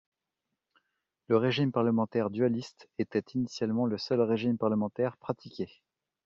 Le régime parlementaire dualiste était initialement le seul régime parlementaire pratiqué.